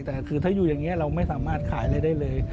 แต่คือถ้าอยู่อย่างนี้เราไม่สามารถขายอะไรได้เลย